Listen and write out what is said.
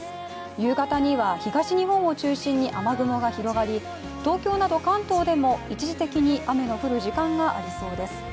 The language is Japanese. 夕方には東日本を中心に雨雲が広がり東京など関東でも一時的に雨の降る時間がありそうです。